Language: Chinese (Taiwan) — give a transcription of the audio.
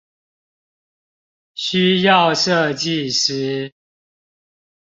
需要設計師